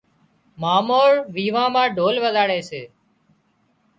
مامو ويوان مان ڍول وزاڙي سي